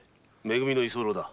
め組の居候だ。